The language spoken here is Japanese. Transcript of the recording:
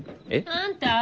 あんた。